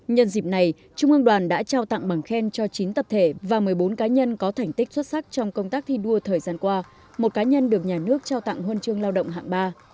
nhân dịp này trung ương đoàn đã trao tặng bằng khen cho chín tập thể và một mươi bốn cá nhân có thành tích xuất sắc trong công tác thi đua thời gian qua một cá nhân được nhà nước trao tặng huân chương lao động hạng ba